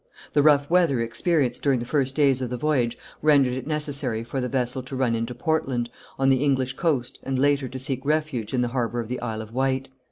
The rough weather experienced during the first days of the voyage rendered it necessary for the vessel to run into Portland, on the English coast, and later to seek refuge in the harbour of the Isle of Wight.